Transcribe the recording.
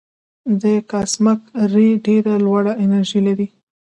د کاسمک رې ډېره لوړه انرژي لري.